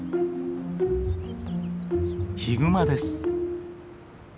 ヒグマです。